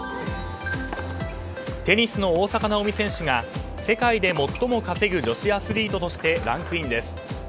テニスの大坂なおみ選手が世界で最も稼ぐ女子アスリートとしてランクインです。